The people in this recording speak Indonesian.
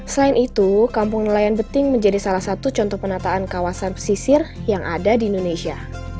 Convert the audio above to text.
selain itu kampung nelayan beting menjadi salah satu contoh penataan kawasan pesisir yang ada di indonesia